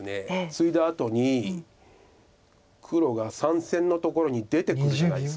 ツイだあとに黒が３線のところに出てくるじゃないですか。